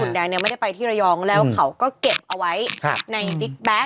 แดงเนี่ยไม่ได้ไปที่ระยองแล้วเขาก็เก็บเอาไว้ในบิ๊กแบ็ค